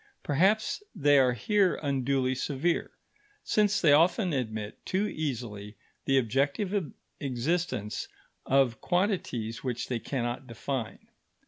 Perhaps they are here unduly severe, since they often admit too easily the objective existence of quantities which they cannot define.